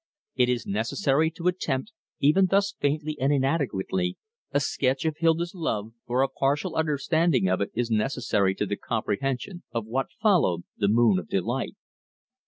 It is necessary to attempt, even thus faintly and inadequately, a sketch of Hilda's love, for a partial understanding of it is necessary to the comprehension of what followed the moon of delight.